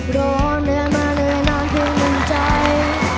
รอแมมรนาดเพื่อมอิงจัย